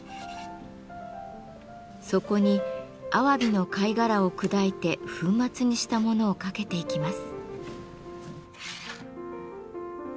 そこにアワビの貝殻を砕いて粉末にしたものをかけていきます。